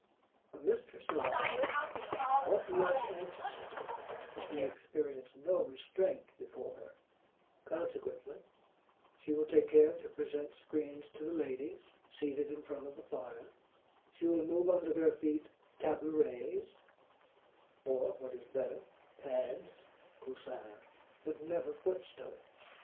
A mistress of a house ought to watch anxiously that they experience no restraint before her; consequently, she will take care to present screens to the ladies seated in front of the fire; she will move under their feet tabourets, or what is better, pads, (coussins) but never foot stoves.